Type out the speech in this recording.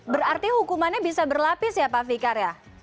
berarti hukumannya bisa berlapis ya pak fikar ya